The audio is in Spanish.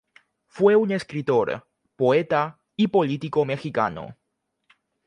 Fue un escritor, poeta, y político mexicano.